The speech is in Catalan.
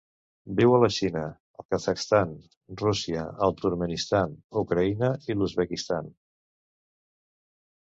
Viu a la Xina, el Kazakhstan, Rússia, el Turkmenistan, Ucraïna i l'Uzbekistan.